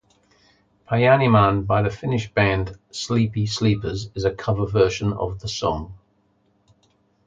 "Painimaan" by the Finnish band Sleepy Sleepers is a cover version of the song.